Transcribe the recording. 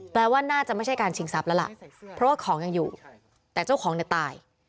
ว่าน่าจะไม่ใช่การชิงทรัพย์แล้วล่ะเพราะว่าของยังอยู่แต่เจ้าของเนี่ยตาย